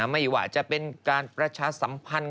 ไม่ว่าจะเป็นการประชาสัมพันธ์